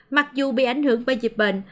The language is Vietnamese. mặc dù bị ảnh hưởng bởi dịp bệnh